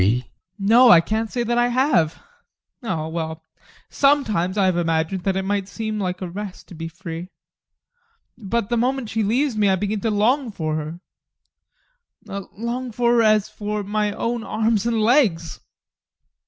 ADOLPH. No, I can't say that I have. Oh, well, sometimes I have imagined that it might seem like a rest to be free. But the moment she leaves me, I begin to long for her long for her as for my own arms and legs.